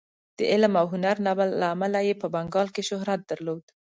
د علم او هنر له امله یې په بنګال کې شهرت درلود.